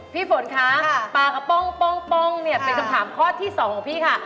พี่ฝนคะปลากระป้องเนี่ยเป็นคำถามข้อที่๒ของพี่ค่ะ